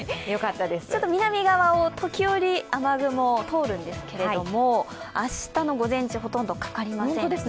南側を時折雨雲が通るんですが明日の午前中ほとんどかかりませんね。